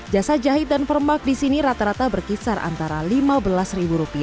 jasa jahit dan permak di sini rata rata berkisar antara rp lima belas